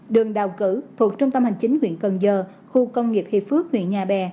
đường đào cử thuộc trung tâm hành chính huyện cần giờ khu công nghiệp hiệp phước huyện nhà bè